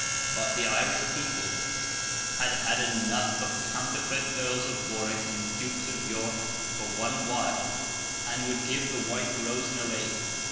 But, the Irish people had had enough of counterfeit Earls of Warwick and Dukes of York, for one while; and would give the White Rose no aid.